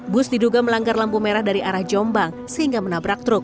bus diduga melanggar lampu merah dari arah jombang sehingga menabrak truk